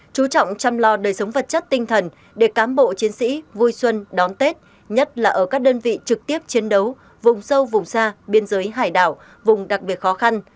chú trọng chăm lo đời sống vật chất tinh thần để cám bộ chiến sĩ vui xuân đón tết nhất là ở các đơn vị trực tiếp chiến đấu vùng sâu vùng xa biên giới hải đảo vùng đặc biệt khó khăn